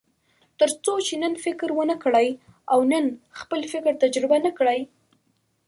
تر څو چې نن فکر ونه کړئ او نن خپل فکر تجربه نه کړئ.